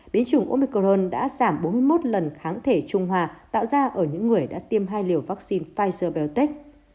biến chủng omicron đã giảm bốn mươi một lần kháng thể trung hòa tạo ra ở những người đã tiêm hai liều vaccine pfizer biontech